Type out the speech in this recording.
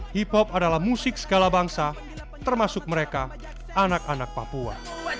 hip hop adalah musik segala bangsa termasuk mereka anak anak papua